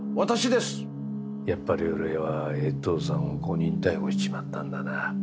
やっぱり俺は衛藤さんを誤認逮捕しちまったんだな。